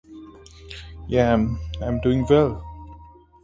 please leave them in the room